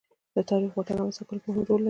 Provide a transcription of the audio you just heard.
تاریخ د واټن رامنځته کولو کې مهم رول لوبوي.